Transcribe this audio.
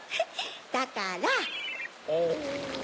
だから。